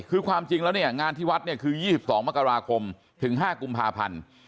คือความจริงแล้วเนี่ยงานที่วัดเนี่ยคือ๒๒มกราคมถึง๕กุมภาพันธ์